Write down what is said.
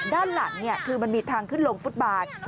ด้านหลังคือมันมีทางขึ้นลงฟุตบาท